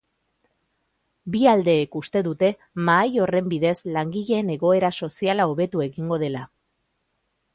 Bi aldeek uste dute mahai horren bidez langileen egoera soziala hobetu egingo dela.